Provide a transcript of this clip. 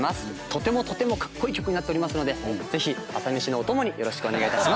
とてもとてもかっこいい曲になっておりますのでぜひ朝メシのお供によろしくお願い致します。